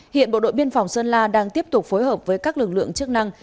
hiện bộ đội biên phòng sơn la đang tiếp tục phối hợp với các lực lượng chức năng